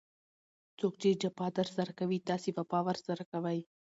څوک چي جفا درسره کوي؛ تاسي وفا ورسره کوئ!